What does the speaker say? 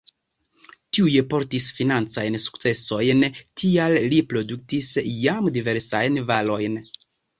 Tiuj portis financajn sukcesojn, tial li produktis jam diversajn varojn.